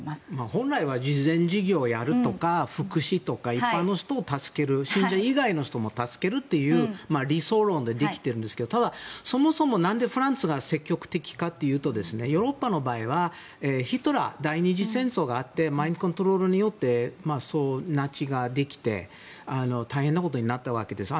本来慈善事業をやるとか福祉とか一般の人を助ける信者以外の人も助けるという理想論でできているんですけどただ、そもそも何でフランスが積極的かというとヨーロッパの場合は、ヒトラー第２次戦争があってマインドコントロールによってナチができて大変なことになったわけです。